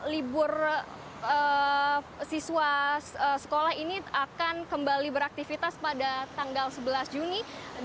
libur siswa sekolah ini akan kembali beraktivitas pada tanggal sebelas juni dua ribu dua puluh